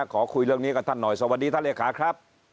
ขอคุยเรื่องนี้กับท่านหน่อยสวัสดีท่านเลขาครับ